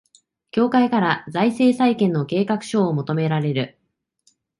協会から財政再建の計画書を求められる